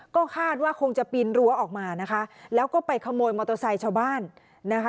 ก็คาดว่าคงจะปีนรั้วออกมานะคะแล้วก็ไปขโมยมอเตอร์ไซค์ชาวบ้านนะคะ